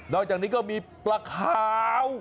อกจากนี้ก็มีปลาขาว